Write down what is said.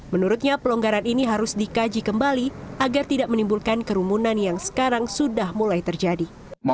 menurutnya pelonggaran ini harus dikaji kembali agar tidak menimbulkan kerumunan yang sekarang sudah mulai terjadi